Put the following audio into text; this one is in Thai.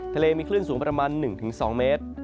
ทะเลมีคลื่นสูงประมาณ๑๒เมตร